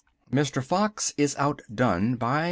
MR. FOX IS "OUTDONE" BY MR.